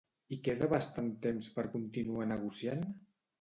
I queda bastant temps per continuar negociant?